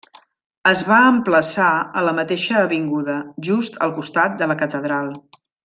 Es va emplaçar a la mateixa avinguda, just al costat de la catedral.